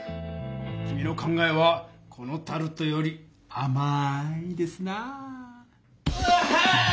君の考えはこのタルトよりあまいですなぁ！